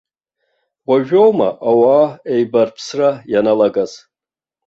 Уажәоума ауаа аибарԥсра ианалагаз!